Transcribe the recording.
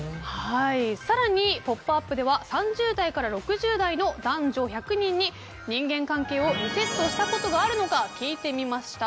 更に「ポップＵＰ！」では３０代から６０代の男女１００人に人間関係をリセットしたことがあるのか聞いてみました。